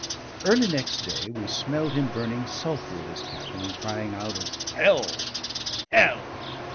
Early next day we smelled him burning sulphur in his cabin and crying out of "Hell, hell!"